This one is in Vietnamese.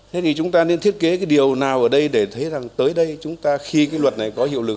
thế thì chúng ta nên thiết kế cái điều nào ở đây để thấy rằng tới đây chúng ta khi cái luật này có hiệu lực